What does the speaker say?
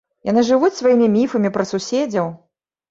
Яны жывуць сваімі міфамі пра суседзяў.